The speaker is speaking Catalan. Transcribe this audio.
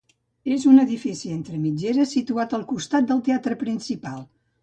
És un edifici entre mitgeres situat al costat del Teatre Principal.